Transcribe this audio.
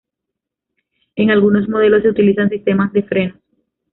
En algunos modelos se utilizan sistemas de frenos.